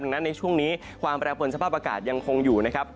ดังนั้นในช่วงนี้ความแปรปวนสภาพอากาศยังคงอยู่นะครับ